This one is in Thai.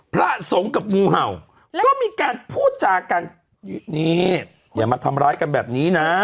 พระสงฆ์กับงูเห่าก็มีการพูดจากันนี่อย่ามาทำร้ายกันแบบนี้นะ